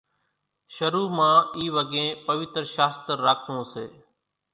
شرُو مان اِي وڳين پويتر شاستر راکوون سي